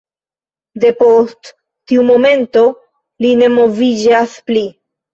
Depost tiu momento, li ne moviĝas pli.